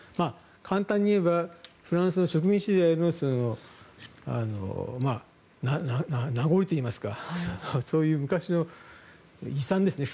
簡単に言えばフランスの植民地支配の名残といいますかそういう昔の遺産ですね。